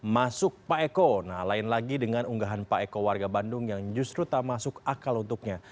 masuk pak eko nah lain lagi dengan unggahan pak eko warga bandung yang justru tak masuk akal untuknya